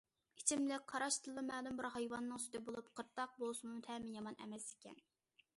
ئىچىملىك قاراشتىنلا مەلۇم بىر ھايۋاننىڭ سۈتى بولۇپ قىرتاق بولسىمۇ تەمى يامان ئەمەس ئىكەن.